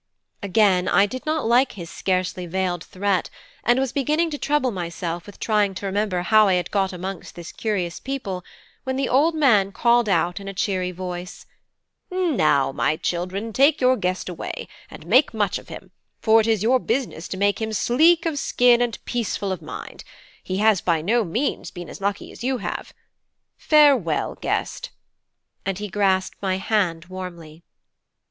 Again I did not like his scarcely veiled threat, and was beginning to trouble myself with trying to remember how I had got amongst this curious people, when the old man called out in a cheery voice: "Now, my children, take your guest away, and make much of him; for it is your business to make him sleek of skin and peaceful of mind: he has by no means been as lucky as you have. Farewell, guest!" and he grasped my hand warmly.